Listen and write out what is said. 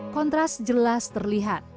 kontras jelas terlihat